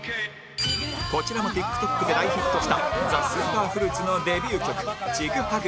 こちらも ＴｉｋＴｏｋ で大ヒットした ＴＨＥＳＵＰＥＲＦＲＵＩＴ のデビュー曲『チグハグ』